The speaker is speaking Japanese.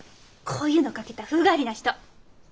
こういうの掛けた風変わりな人。